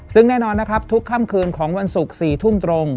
ซึ่งแน่นอนนะครับทุกค่ำคืนของวันศุกร์๔ทุ่มตรง